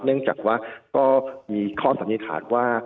เนื่องจากว่าก็มีข้อสันนิษฐานว่า